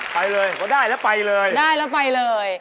ไปเลยก็ได้แล้วไปเลยได้แล้วไปเลย